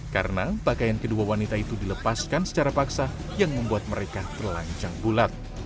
karena pakaian kedua wanita itu dilepaskan secara paksa yang membuat mereka terlanjang bulat